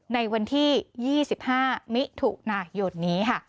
ในวันที่๒๕มิถุนายนนี้ค่ะ